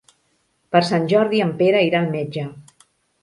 Per Sant Jordi en Pere irà al metge.